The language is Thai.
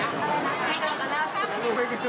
ค่ะคุณผู้สามารถได้คิดคุณผู้สามารถได้คิด